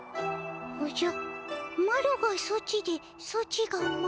おじゃマロがソチでソチがマロ。